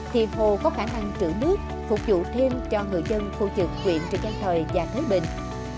điện hồ có khả năng trữ nước phục vụ thêm cho người dân khu trực quyện trịnh an thời và thế bình